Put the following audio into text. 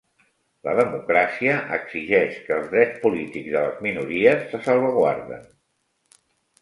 La democràcia exigeix que els drets polítics de les minories se salvaguarden.